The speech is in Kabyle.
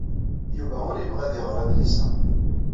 Yuba ur yebɣi ad iɣer adlis-a.